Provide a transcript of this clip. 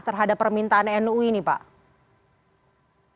terhadap permintaan nu ini pak